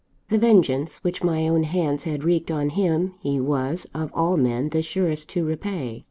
_ The vengeance which my own hands had wreaked on him, he was, of all men the surest to repay.